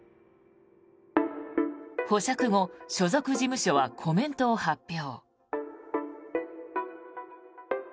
保釈後、所属事務所はコメントを発表。